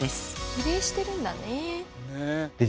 比例してるんだね。